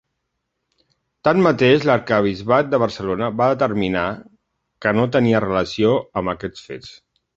Tanmateix, l’arquebisbat de Barcelona va determinar que no tenia relació amb aquests fets.